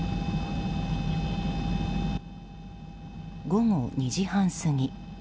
午後２時半過ぎ。